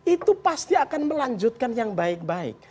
itu pasti akan melanjutkan yang baik baik